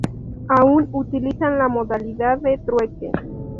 Aún utilizan la modalidad de trueque.